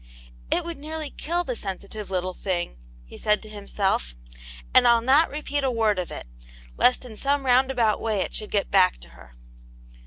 " It would nearly kill the sensitive little thing, he said to himself, "and I'll not repeat a word of it, lest in some roundabout way it should get back to her."